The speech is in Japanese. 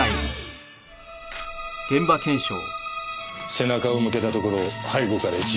背中を向けたところを背後から一撃か。